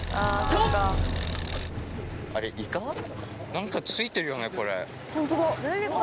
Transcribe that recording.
何かついてるよねこれ。